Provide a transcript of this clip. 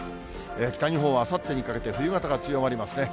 北日本はあさってにかけて冬型が強まりますね。